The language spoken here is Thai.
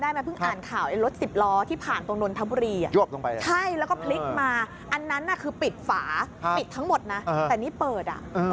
อันนั้นน่ะคือปิดฝาปิดทั้งหมดนะแต่นี่เปิด